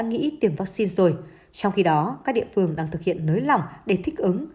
nghĩ tiêm vắc xin rồi trong khi đó các địa phương đang thực hiện nới lỏng để thích ứng